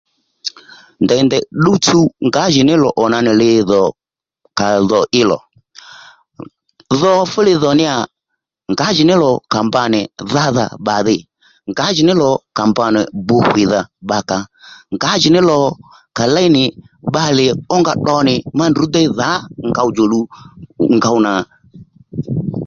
Ndeyni ndey tsuw ngǎjìní lò ò nà nì li dhò ka dho í lò, dho fúli dhò níyà ngǎjìní lò à mba nì dhádha bba mî ngǎjìní lò à mbanì bu hwìdha bba kàò ngǎjìní lò kà léynì bbalè ónga tdo nì ndrǔ déy dhǎ ngow djòluw ngow nà